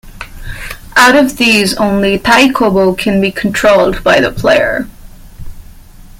Out of these, only Taikobo can be controlled by the player.